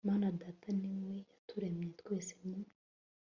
mana data niwe yaturemye twese, mu